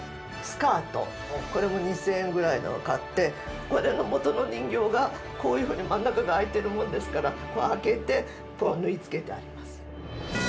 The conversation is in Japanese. これも２０００円ぐらいのを買ってこれの元の人形がこういうふうに真ん中があいてるもんですからこうあけてこう縫い付けてあります。